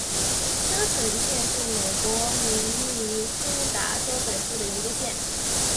清水县是美国明尼苏达州北部的一个县。